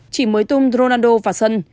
chỉ mới tung ronaldo vào sân